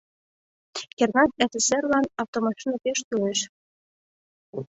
Кернак СССР-лан автомашина пеш кӱлеш.